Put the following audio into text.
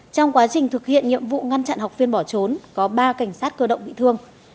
trong quá trình thực hiện nhiệm vụ ngăn chặn học viên bỏ trốn có ba cảnh sát cơ động bị thương